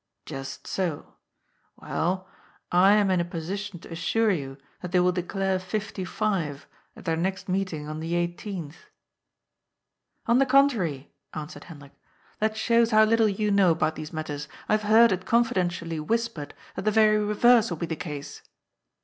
" Just so. Well, I am in a position to assure you that they will declare fifty five at their next meeting on the eighteenth." " On the contrary," answered Hendrik. " That shows 320 GOI>'S FOOL. how little yon know about these matters. I have heard it confidentially whispered that the very reverse will be the case."